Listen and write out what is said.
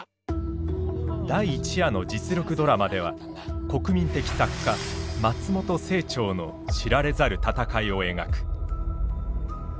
第一夜の実録ドラマでは国民的作家松本清張の知られざる闘いを描く。